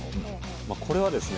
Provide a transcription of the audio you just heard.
これはですね